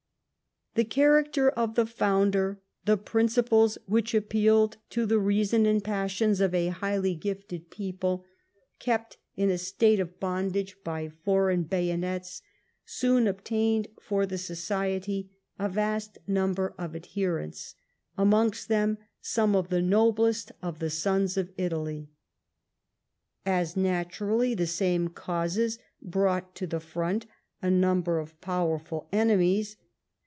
The character of the founder, the principles which appealed to the reason and passions of a highly gifted people, kept in a state of bondage by foreign bayonets, soon obtained for the Society a vast number of adherents : amongst them, some of the noblest of the sons of Italy. As naturally, the same causes brought to the front a number of powerful enemies.